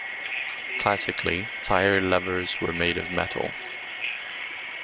Classically, tire levers were made of metal.